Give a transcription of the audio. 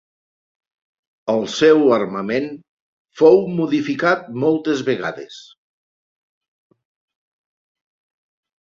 El seu armament fou modificat moltes vegades.